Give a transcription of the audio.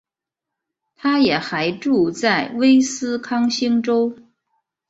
她也还住在威斯康星州。